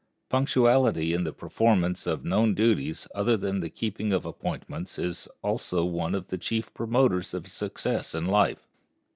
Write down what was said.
Punctuality in the performance of known duties other than the keeping of appointments is also one of the chief promoters of success in life.